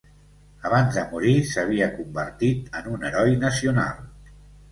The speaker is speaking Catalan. Abans de morir s'havia convertit en un heroi nacional.